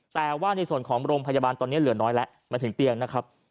แต่ว่าในส่วนของโรงพยาบาลตอนนี้เหลือน้อยแล้วมาถึงเตียงนะครับ